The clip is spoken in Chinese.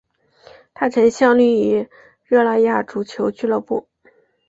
他曾效力于热那亚足球俱乐部。